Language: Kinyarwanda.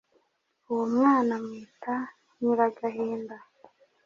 Uwo mwana amwita Nyiragahinda